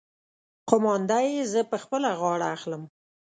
قومانده يې زه په خپله غاړه اخلم.